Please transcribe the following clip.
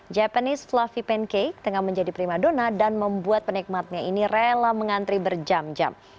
japanese fluffy pancake tengah menjadi prima dona dan membuat penikmatnya ini rela mengantri berjam jam